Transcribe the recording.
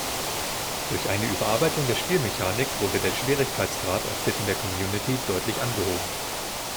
Durch eine Überarbeitung der Spielmechanik wurde der Schwierigkeitsgrad auf Bitten der Community deutlich angehoben.